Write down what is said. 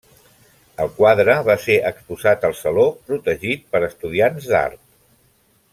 El quadre va ser exposat al Saló, protegit per estudiants d'art.